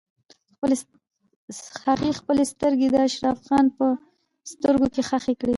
هغې خپلې سترګې د اشرف خان په سترګو کې ښخې کړې.